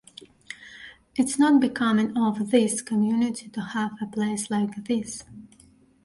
It's not becoming of this community to have a place like this.